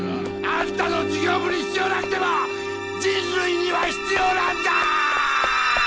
あんたの事業部に必要なくても人類には必要なんだ！